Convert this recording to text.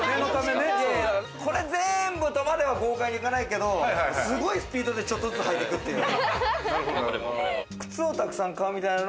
これぜんぶとまでは豪快に行かないけどすごいスピードでちょっとずつ履いてくっていう。